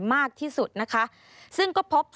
สวัสดีค่ะสวัสดีค่ะ